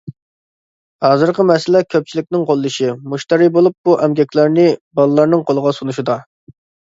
ھازىرقى مەسىلە كۆپچىلىكنىڭ قوللىشى، مۇشتەرى بولۇپ بۇ ئەمگەكلەرنى بالىلارنىڭ قولىغا سۇنۇشىدا .